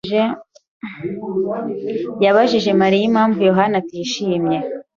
yabajije Mariya impamvu Yohana atishimye.